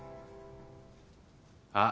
あっ！